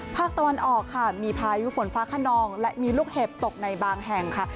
ภาคตะวันออกค่ะมีพายุฝนฟ้าขนองและมีลูกเห็บตกในบางแห่งค่ะ